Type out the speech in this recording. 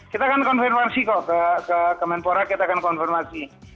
kita akan konfirmasi kok ke kemenpora kita akan konfirmasi